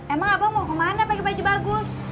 emang abang mau kemana pakai baju bagus